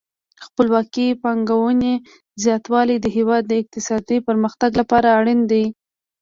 د خپلواکې پانګونې زیاتوالی د هیواد د اقتصادي پرمختګ لپاره اړین دی.